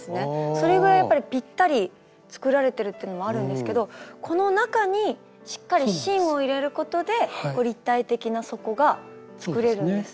それぐらいやっぱりぴったり作られてるってのもあるんですけどこの中にしっかり芯を入れることで立体的な底が作れるんですね。